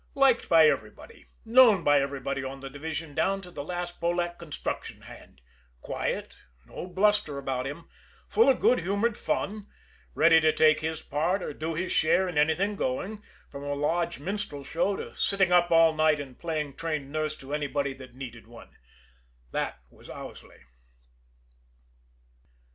Liked by everybody, known by everybody on the division down to the last Polack construction hand, quiet, no bluster about him, full of good humored fun, ready to take his part or do his share in anything going, from a lodge minstrel show to sitting up all night and playing trained nurse to anybody that needed one that was Owsley.